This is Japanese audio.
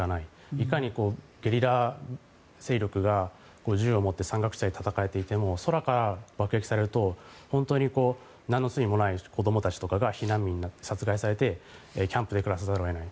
いかにゲリラ勢力が銃を持って山岳地帯で戦っていても空から爆撃されるとなんの罪もない子どもたちとかが避難民になって殺害されてキャンプで暮らさざるを得ない。